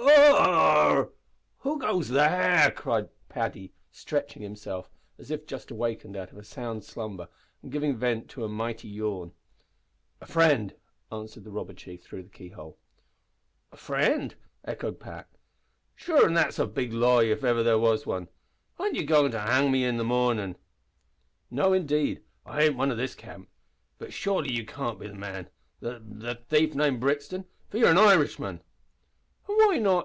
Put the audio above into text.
"Arrah! who goes there?" cried Paddy, stretching himself, as if just awakened out of a sound slumber and giving vent to a mighty yawn. "A friend," answered the robber chief through the keyhole. "A frind!" echoed Pat. "Sure an' that's a big lie, if iver there was one. Aren't ye goin' to hang me i' the mornin'?" "No indeed, I ain't one o' this camp. But surely you can't be the man the the thief named Brixton, for you're an Irishman." "An' why not?"